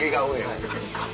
はい。